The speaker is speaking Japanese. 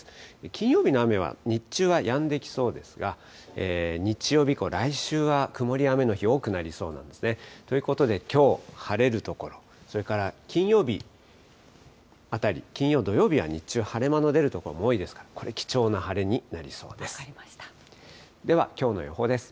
金曜日の雨は、日中はやんできそうですが、日曜日以降、来週は曇りや雨の日、多くなりそうなんですね。ということで、きょう晴れる所、それから金曜日あたり、金曜、土曜は日中、晴れ間の出る所も多いですから、これ、貴重な晴れになりそうです。